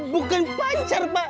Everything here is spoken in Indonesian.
bukan pacar pak